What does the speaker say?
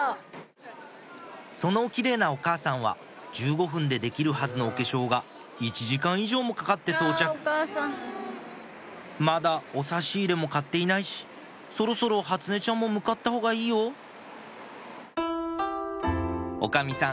そのきれいなお母さんは１５分でできるはずのお化粧が１時間以上もかかって到着まだお差し入れも買っていないしそろそろ初音ちゃんも向かった方がいいよおかみさん